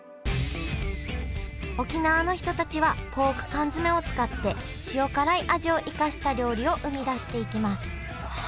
沖縄の人たちはポーク缶詰を使って塩辛い味を生かした料理を生み出していきます。